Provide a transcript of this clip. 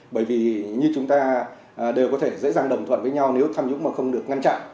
bởi vì như chúng ta đều có thể dễ dàng đồng thuận với nhau nếu tham nhũng mà không được ngăn chặn